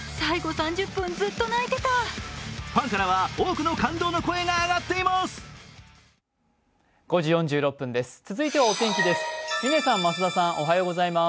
ファンからは多くの感動の声が上っています。